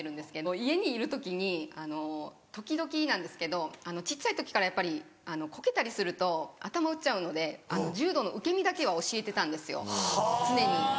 家にいる時に時々なんですけど小っちゃい時からやっぱりこけたりすると頭打っちゃうので柔道の受け身だけは教えてたんですよ常に。